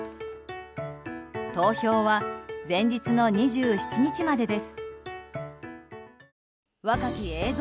投票は前日の２７日までです。